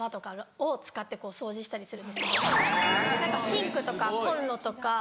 シンクとかコンロとか。